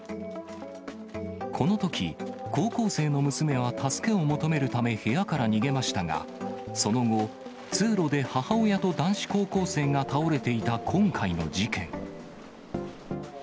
このとき、高校生の娘は助けを求めるため、部屋から逃げましたが、その後、通路で母親と男子高校生が倒れていた今回の事件。